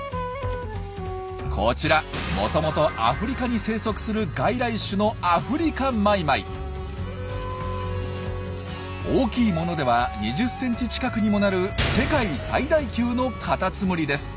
こちらもともとアフリカに生息する大きいものでは２０ｃｍ近くにもなる世界最大級のカタツムリです。